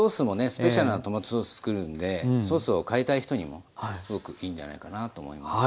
スペシャルなトマトソース作るんでソースを変えたい人にもすごくいいんじゃないかなと思います。